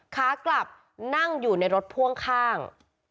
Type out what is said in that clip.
ขากลับนั่งอยู่ในรถพ่วงข้าง